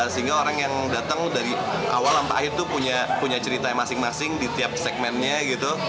sehingga orang yang datang dari awal sampai akhir tuh punya cerita masing masing di tiap segmennya gitu